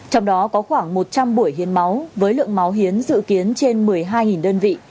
trong đó có khoảng một trăm linh buổi hiến máu với lượng máu hiến dự kiến trên một mươi hai đơn vị